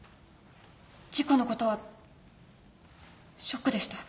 事故のことはショックでした。